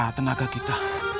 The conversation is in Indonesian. kita tenaga kita